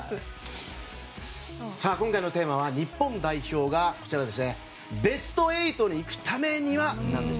今回のテーマは、日本代表がベスト８にいくためには？です。